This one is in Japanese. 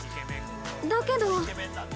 だけど。